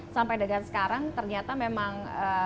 sampai sekarang ternyata memang